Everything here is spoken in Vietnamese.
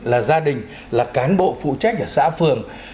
là gia đình là cán bộ phụ trách ở xã phường